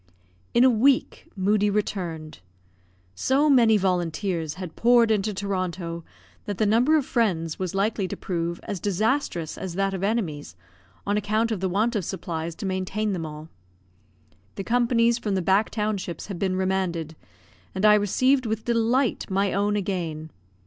In a week, Moodie returned. So many volunteers had poured into Toronto that the number of friends was likely to prove as disastrous as that of enemies, on account of the want of supplies to maintain them all. The companies from the back townships had been remanded, and I received with delight my own again.